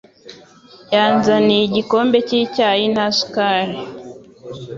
Yanzaniye igikombe cy'icyayi nta sukari.